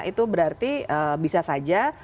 itu berarti bisa saja